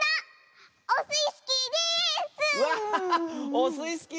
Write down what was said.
オスイスキーです！